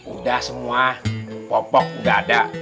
udah semua popok udah ada